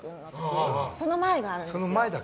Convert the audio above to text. その前があるんですよ。